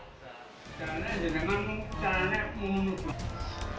tangan tangan jangan lupa